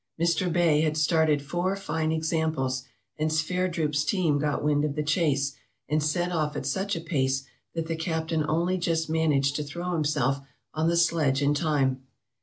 Mr. Bay had started four fine examples and Sverdrup's team got wind of the chase, and set off at such a pace that the Cap tain only just managed to throw himself on the sledge in time.